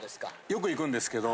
よく行くんですけど。